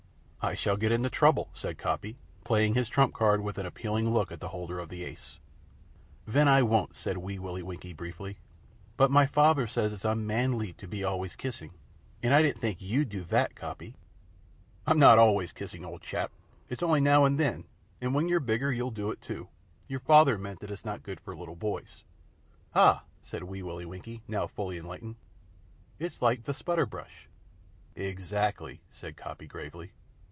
"I shall get into trouble," said Coppy, playing his trump card with an appealing look at the holder of the ace. "Ven I won't," said Wee Willie Winkie, briefly. "But my faver says it's un man ly to be always kissing, and I didn't fink you'd do vat, Coppy." "I'm not always kissing, old chap. It's only now and then, and when you're bigger you'll do it too. Your father meant it's not good for little boys." "Ah!" said Wee Willie Winkie, now fully enlightened. "It's like ve sputter brush?" "Exactly," said Coppy, gravely.